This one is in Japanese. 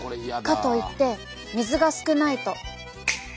かといって水が少ないと。